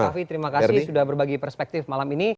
mas safi terima kasih sudah berbagi perspektif malam ini